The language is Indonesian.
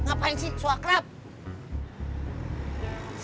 ini apaan discover sih